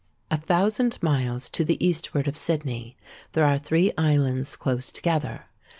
"A thousand miles to the eastward of Sydney there are three islands close together.